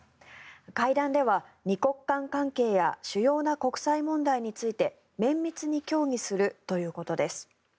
会談では２国間関係や主要な国際問題について綿密に協議するということです。